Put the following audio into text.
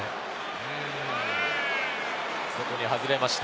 外、外れました。